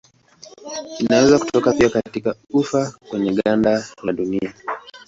Inaweza kutoka pia katika ufa kwenye ganda la dunia.